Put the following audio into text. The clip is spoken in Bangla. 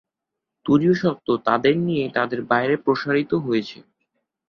তুরীয় সত্য তাঁদের নিয়েই তাঁদের বাইরে প্রসারিত হয়েছে।